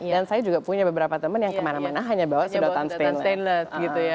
dan saya juga punya beberapa teman yang kemana mana hanya bawa sudotan stainless